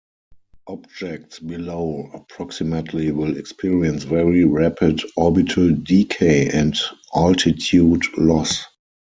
Objects below approximately will experience very rapid orbital decay and altitude loss.